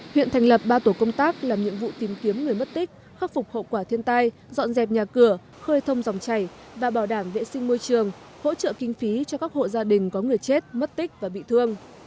huyện thành lập ba tổ công tác làm nhiệm vụ tìm kiếm người mất tích khắc phục hậu quả thiên tai dọn dẹp nhà cửa khơi thông dòng chảy và bảo đảm vệ sinh môi trường hỗ trợ kinh phí cho các hộ gia đình có người chết mất tích và bị thương